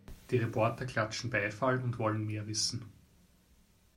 Die Reporter klatschen Beifall und wollen mehr wissen.